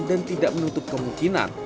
dan tidak menutup kemungkinan